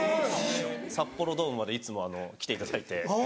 札幌ドームまでいつも来ていただいて。